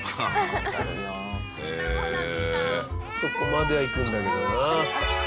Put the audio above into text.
あそこまではいくんだけどな。